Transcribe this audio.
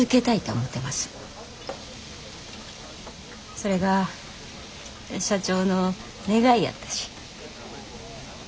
それが社長の願いやったし。